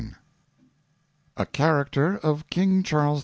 i87 A CHARACTER OF KING CHARLES 11.